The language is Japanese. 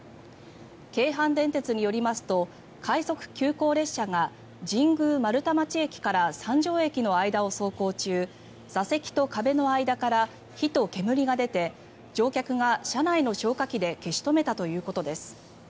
京阪電鉄によりますと快速急行列車が神宮丸太町駅から三条駅の間を走行中座席と壁の間から火と煙が出て乗客が車内の消火器で消し止めたということです。